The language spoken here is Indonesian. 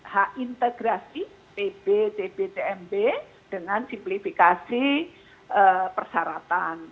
h integrasi pb db tmb dengan simplifikasi persyaratan